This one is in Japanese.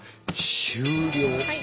終了。